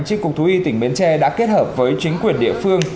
tri cục thú y tỉnh bến tre đã kết hợp với chính quyền địa phương